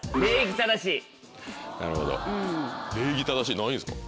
なるほど「礼儀正しい」何位ですか？